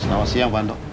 selamat siang pak anto